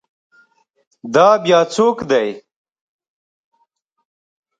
دا بیا څوک دی؟